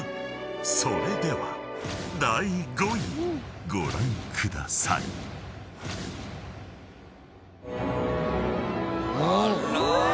［それでは第５位ご覧ください］うわ！